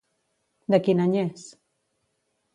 De quin any és?